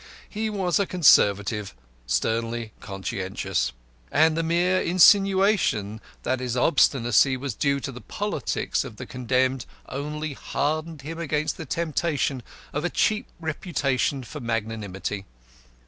He was a Conservative, sternly conscientious; and the mere insinuation that his obstinacy was due to the politics of the condemned only hardened him against the temptation of a cheap reputation for magnanimity.